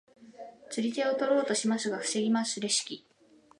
釣り手を取ろうとしますが防ぎますレシキ。